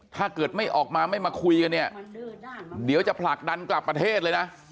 ถ้าเกิดไม่ออกมาไม่มาคุยกันเนี่ยเดี๋ยวจะผลักดันกลับประเทศเลยนะ